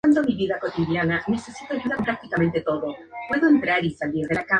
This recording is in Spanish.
Se encuentra en Zambia, Tanzania Mozambique y Kenia.